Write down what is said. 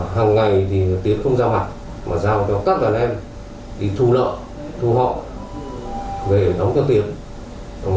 hàng ngày thì tiến không ra mặt mà ra một cái cắt đàn em đi thu lợi thu họ về đóng cho tiến